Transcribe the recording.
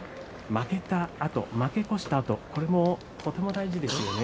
負けたあと、負け越したあとこれも、とても大事ですよね。